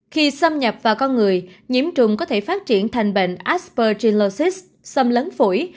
khi xâm nhập vào con người nhiễm trùng có thể phát triển thành bệnh aspergillosis xâm lấn phủy